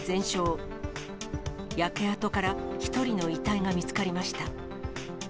焼け跡から１人の遺体が見つかりました。